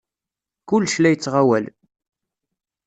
Kullec la yettɣawal.